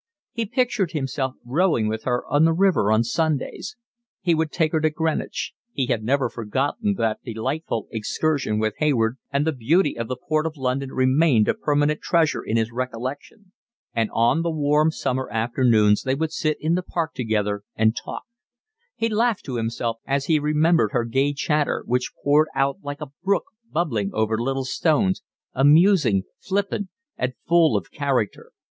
He pictured himself rowing with her on the river on Sundays; he would take her to Greenwich, he had never forgotten that delightful excursion with Hayward, and the beauty of the Port of London remained a permanent treasure in his recollection; and on the warm summer afternoons they would sit in the Park together and talk: he laughed to himself as he remembered her gay chatter, which poured out like a brook bubbling over little stones, amusing, flippant, and full of character.